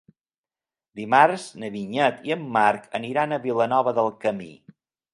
Dimarts na Vinyet i en Marc aniran a Vilanova del Camí.